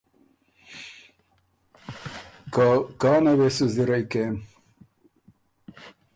که کانه وې سُو زِرئ کېم